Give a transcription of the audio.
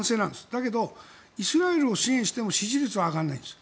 だけど、イスラエルを支援しても支持率は上がらないんです。